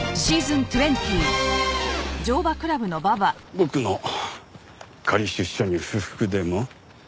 僕の仮出所に不服でも？